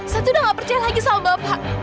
saya sudah gak percaya lagi sama bapak